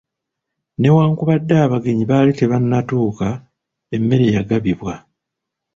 Newankubadde abagenyi baali tebanatuuka emmere yagabibwa.